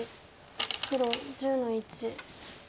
黒１０の一。